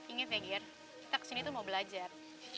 ingat ya gier kita kesini tuh mau belajar